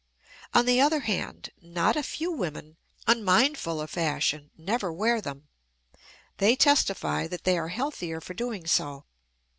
On the other hand, not a few women, unmindful of fashion, never wear them; they testify that they are healthier for doing so.